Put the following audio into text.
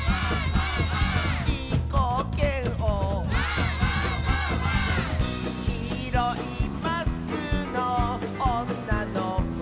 「じーこーけんお」「きいろいマスクのおんなのこ」